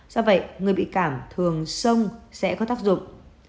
do vậy người bị cảm thường sông sẽ có tác dụng